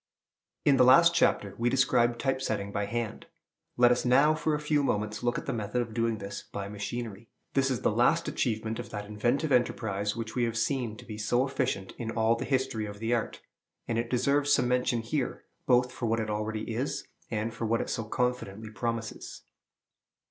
In the last chapter we described type setting by hand. Let us now for a few moments look at the method of doing this by machinery. This is the last achievement of that inventive enterprise which we have seen to be so efficient in all the history of the art; and it deserves some mention here, both for what it already is, and for what it so confidently promises.